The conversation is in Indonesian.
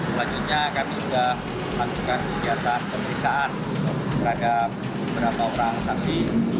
selanjutnya kami sudah melakukan kegiatan pemeriksaan terhadap beberapa orang saksi